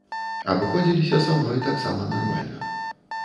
Абыходзіліся са мной таксама нармальна.